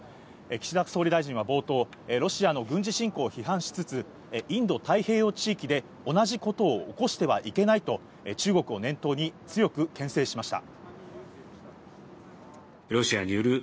岸田総理大臣は冒頭、ロシアの軍事侵攻を批判しつつ、インド太平洋地域で同じことを起こしてはいけないと中国を念頭に強くけん制しました。